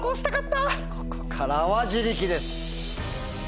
ここからは自力です。